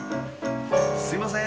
すみません。